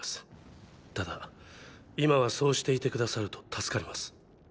ただ今はそうしていて下さると助かります。